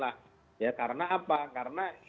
lah ya karena apa karena